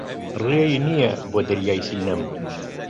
ڕێی نییە بۆ دەریای سینەم